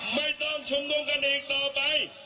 ไม่ต้องชุมนุมกันอีกต่อไป